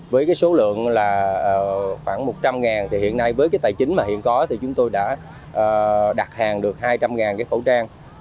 với số lượng khoảng một trăm linh với tài chính hiện có chúng tôi đã đặt hàng được hai trăm linh khẩu trang